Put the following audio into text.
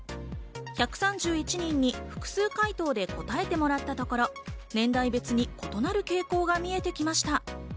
１３１人に複数回答で答えてもらったところ、年代別に異なる傾向が見えてきました。